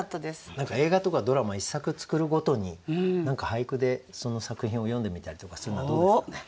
何か映画とかドラマ一作作るごとに何か俳句でその作品を詠んでみたりとかそういうのはどうですかね？